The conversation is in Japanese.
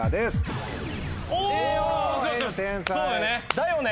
だよね！